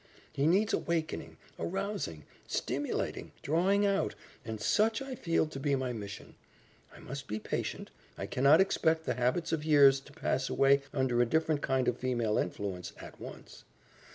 He needs awakening, arousing, stimulating, drawing out, and such I feel to be my mission. I must be patient; I cannot expect the habits of years to pass away under a different kind of female influence, at once."